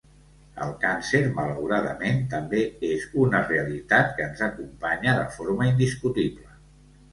El càncer, malauradament, també és una realitat que ens acompanya de forma indiscutible.